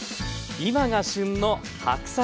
今が旬の白菜。